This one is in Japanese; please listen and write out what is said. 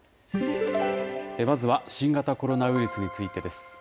まずは新型コロナウイルスについてです。